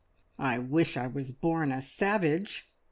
"I wish I was born a savage!"